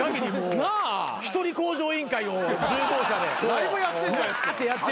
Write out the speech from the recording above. ライブやってんじゃないですか。